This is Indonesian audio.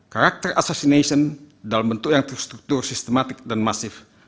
karakter assocination dalam bentuk yang terstruktur sistematik dan masif